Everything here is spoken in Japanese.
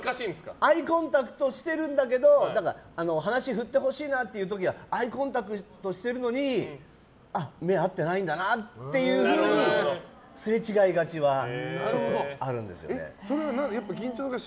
アイコンタクトしてほしいけど話振ってほしいなって時はアイコンタクトしてるのに目合ってないんだなってすれ違いがちはあるんですよ。